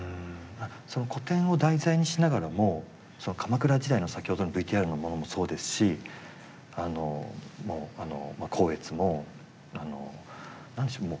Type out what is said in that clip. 古典を題材にしながらも鎌倉時代の先ほどのＶＴＲのものもそうですしあのもう光悦もあの何でしょう